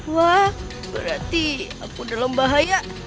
wah berarti aku dalam bahaya